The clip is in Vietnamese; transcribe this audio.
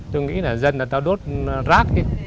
tôi nghĩ là dân ta đốt rác